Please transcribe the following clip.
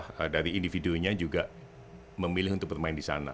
ya dari individuenya juga memilih untuk bermain di sana